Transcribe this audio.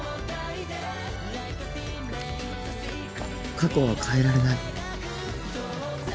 過去は変えられない。